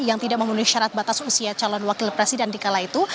yang tidak memenuhi syarat batas usia calon wakil presiden dikala itu